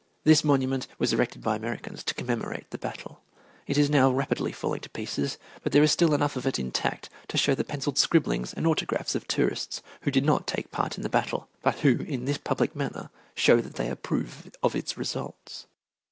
This monument was erected by Americans to commemorate the battle. It is now rapidly falling to pieces, but there still is enough of it intact to show the pencilled scribblings and autographs of tourists who did not take part in the battle, but who in this public manner show that they approve of its results.